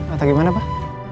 atau gimana pak